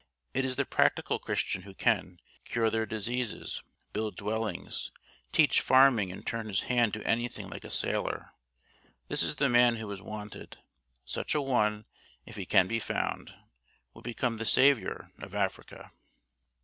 It is the practical Christian who can ... cure their diseases, build dwellings, teach farming and turn his hand to anything like a sailor this is the man who is wanted. Such a one, if he can be found, would become the saviour of Africa."